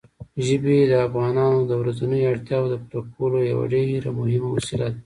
ژبې د افغانانو د ورځنیو اړتیاوو د پوره کولو یوه ډېره مهمه وسیله ده.